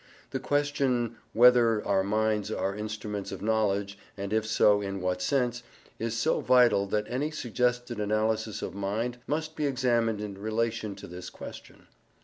The question whether our minds are instruments of knowledge, and, if so, in what sense, is so vital that any suggested analysis of mind must be examined in relation to this question.